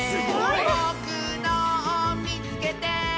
「ぼくのをみつけて！」